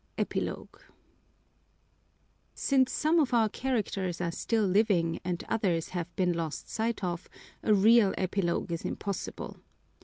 EPILOGUE Since some of our characters are still living and others have been lost sight of, a real epilogue is impossible.